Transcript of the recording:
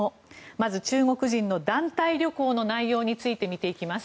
まず中国人の団体旅行の内容について見ていきます。